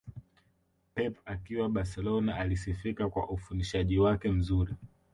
Pep akiwa Barcelona alisifika kwa ufundishaji wake mzuri